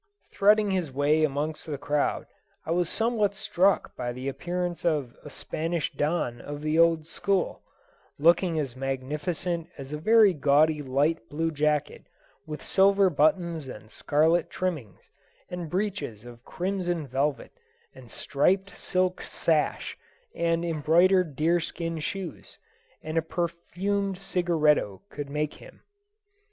Threading his way amongst the crowd, I was somewhat struck by the appearance of a Spanish Don of the old school, looking as magnificent as a very gaudy light blue jacket with silver buttons and scarlet trimmings, and breeches of crimson velvet, and striped silk sash, and embroidered deer skin shoes, and a perfumed cigaretto could make him.